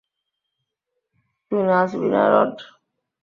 তুই নাচবি না, রড?